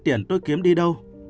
tiền tôi kiếm đi đâu